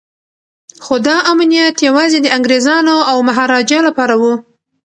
خو دا امنیت یوازې د انګریزانو او مهاراجا لپاره و.